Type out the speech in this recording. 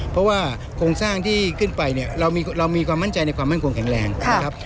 เพราะว่าโครงสร้างที่ขึ้นไปเนี่ยเรามีความมั่นใจในความมั่นคงแข็งแรงนะครับ